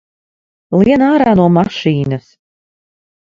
Lien ārā no mašīnas!